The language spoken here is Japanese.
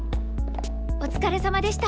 お疲れさまでした。